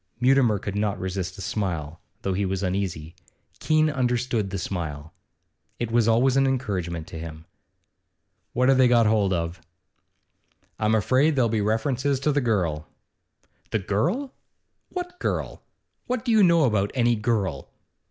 Mutimer could not resist a smile, though he was uneasy. Keene understood the smile; it was always an encouragement to him. 'What have they got hold of?' 'I'm afraid there'll be references to the girl.' 'The girl?' Richard hesitated. 'What girl? What do you know about any girl?